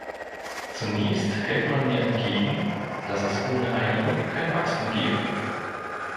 Zunächst hält man mir entgegen, dass es ohne Einigung kein Wachstum gebe.